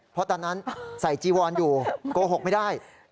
เพราะตอนนั้นใส่จีวอนอยู่โกหกไม่ได้